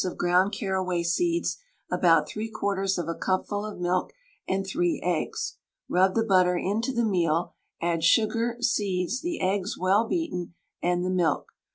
of ground carraway seeds, about 3/4 of a cupful of milk, and 3 eggs. Rub the butter into the meal, add sugar, seeds, the eggs well beaten, and the milk.